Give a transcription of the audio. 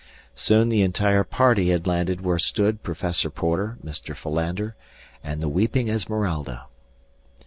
Soon the entire party had landed where stood Professor Porter, Mr. Philander and the weeping Esmeralda.